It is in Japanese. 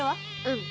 うん。